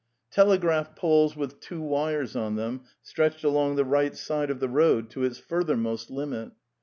Telegraph poles with two wires on them stretched along the right side of the road to its furthermost limit.